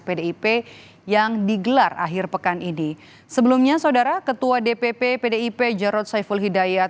pdip yang digelar akhir pekan ini sebelumnya saudara ketua dpp pdip jarod saiful hidayat